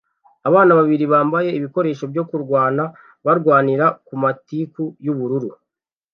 Abana babiri bambaye ibikoresho byo kurwana barwanira ku matiku y'ubururu